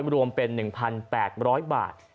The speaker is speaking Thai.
รวมเป็น๑๘๐๐บาท